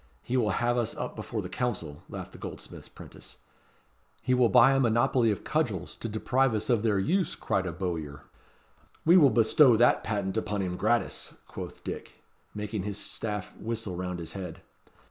He will have us up before the Council," laughed the goldsmith's 'prentice. "He will buy a monopoly of cudgels to deprive us of their use," cried a bowyer. "We will bestow that patent upon him gratis," quoth Dick, making his staff whistle round his head.